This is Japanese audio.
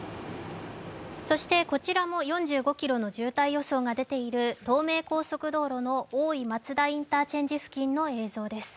こちらも４５キロの渋滞予想が出ている東名高速の大井松田インターチェンジ付近の映像です。